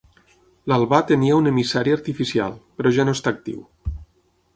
L'Albà tenia un emissari artificial, però ja no està actiu.